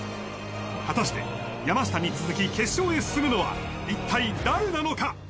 果たして山下に続き決勝へ進むのは一体誰なのか？